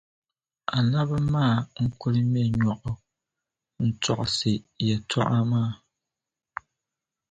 Anabi maa n-kul ŋme nyɔɣu n-tɔɣisi yɛtɔɣa maa.